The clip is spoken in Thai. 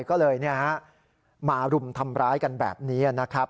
ก็เลยมารุมทำร้ายกันแบบนี้นะครับ